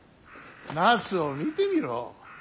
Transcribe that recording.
ナスを見てみろ。